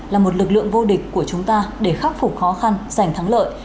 là một lực lượng vô địch của chúng ta để khắc phục khó khăn giành thắng lợi